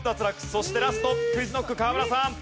そしてラストＱｕｉｚＫｎｏｃｋ河村さん。